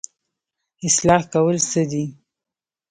اصلاح کول څه دي؟